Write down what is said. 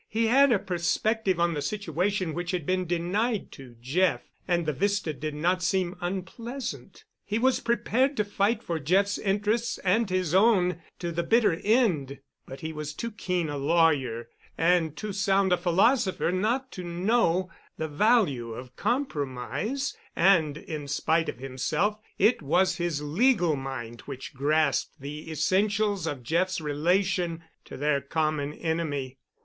He had a perspective on the situation which had been denied to Jeff, and the vista did not seem unpleasant. He was prepared to fight for Jeff's interests and his own to the bitter end, but he was too keen a lawyer and too sound a philosopher not to know the value of compromise, and, in spite of himself, it was his legal mind which grasped the essentials of Jeff's relation to their common enemy.